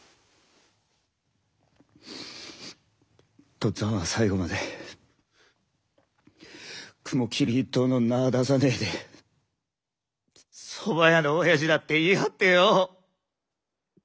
父っつぁんは最後まで雲霧一党の名は出さねえでそば屋のおやじだって言い張ってよお。